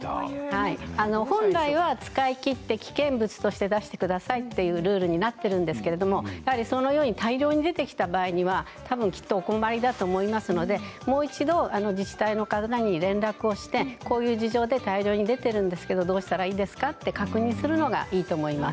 本来は使い切って危険物として出してくださいというルールになっているんですけれどもそのように大量に出てきた場合はお困りだと思いますのでもう一度、自治体の方に連絡をしてこういう事情で大量に出ているんですけれどもどうしたらいいですか？と確認するのがいいです。